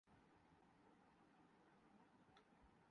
پاکستان کا اصل نظام حکومت یہی ہے۔